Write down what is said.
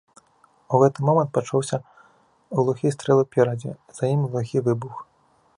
У гэты момант пачуўся глухі стрэл уперадзе, за ім глухі выбух.